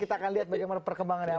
kita akan lihat bagaimana perkembangannya